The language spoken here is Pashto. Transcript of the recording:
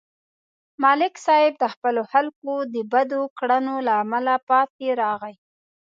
ملک صاحب د خپلو خلکو د بدو کړنو له امله پاتې راغی